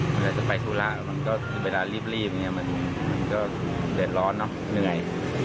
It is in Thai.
ในรายสัตว์ไปธุระมันก็เวลารีบมันก็เดียดร้อนเนอะเหนื่อย